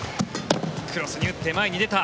クロスに打って前に出た。